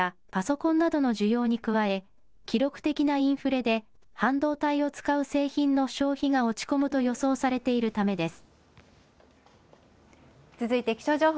テレワークの広がりで増えていたパソコンなどの需要に加え、記録的なインフレで半導体を使う製品の消費が落ち込むと予想されているためです。